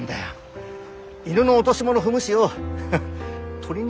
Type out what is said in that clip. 犬の落とし物踏むしよ。